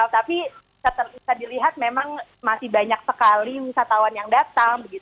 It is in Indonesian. tapi bisa dilihat memang masih banyak sekali wisatawan yang datang